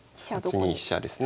８二飛車ですね。